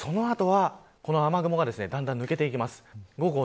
その後は、この雨雲がだんだん抜けていきます。